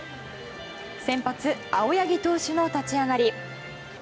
先発、青柳投手の立ち上がり。